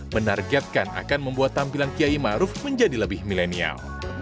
menargetkan akan membuat tampilan kiai maruf menjadi lebih milenial